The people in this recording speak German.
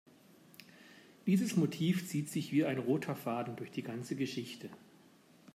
Dieses Motiv zieht sich wie ein roter Faden durch die ganze Geschichte.